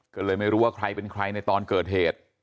ก็เลยไม่รู้ว่าใครเป็นใครในตอนเกิดเหตุ